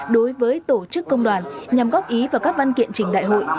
đối với tổ chức công đoàn nhằm góp ý vào các văn kiện trình đại hội